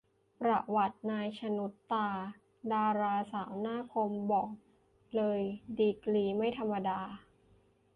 ประวัติ นาย ชนุชตรา ดาราสาวหน้าคม บอกเลยดีกรีไม่ธรรมดา